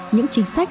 những chính sách